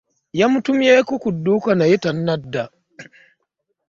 Yamutumyeeko ku duuka naye tannadda.